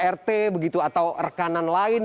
rt begitu atau rekanan lain